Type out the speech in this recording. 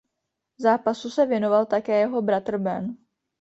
Zápasu se věnoval také jeho bratr Ben.